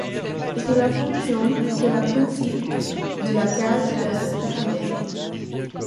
Cela fonctionne sur le principe de la cage de Faraday.